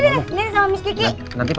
kita berangkat ya